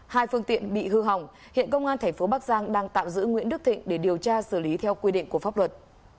hai phương tiện bị hư hỏng hiện công an tp bắc giang đang tạm giữ nguyễn đức thịnh để điều tra xử lý theo quy định của pháp luật